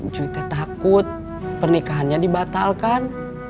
cuy takut pernikahannya dibatalkan